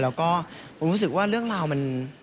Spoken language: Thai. แล้วก็ผมรู้สึกว่าเรื่องราวมัน